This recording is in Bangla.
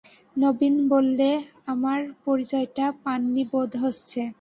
নবীন বললে, আমার পরিচয়টা পান নি বোধ হচ্ছে।